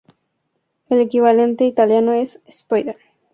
El equivalente italiano es "spider".